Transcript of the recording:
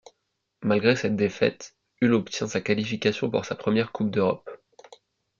Malgré cette défaite, Hull obtient sa qualification pour sa première coupe d'Europe.